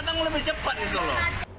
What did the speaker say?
kita datang lebih cepat itu loh